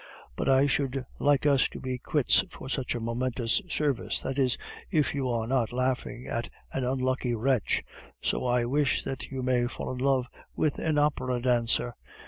But I should like us to be quits for such a momentous service; that is, if you are not laughing at an unlucky wretch, so I wish that you may fall in love with an opera dancer.